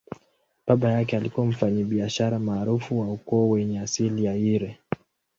Baba yake alikuwa mfanyabiashara maarufu wa ukoo wenye asili ya Eire.